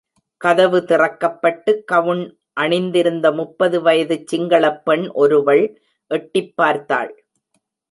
கதவு திறக்கப்பட்டு, கவுண் அணிந்திருந்த முப்பது வயதுச் சிங்களப் பெண் ஒருவள் எட்டிப் பார்த்தாள்.